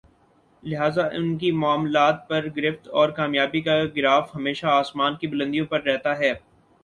لہذا انکی معاملات پر گرفت اور کامیابی کا گراف ہمیشہ آسمان کی بلندیوں پر رہتا ہے